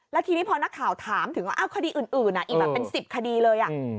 แล้วทีนี้พอนักข่าวถามถึงว่าคดีอื่นอีกแบบเป็น๑๐คดีเลย